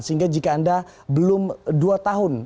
sehingga jika anda belum dua tahun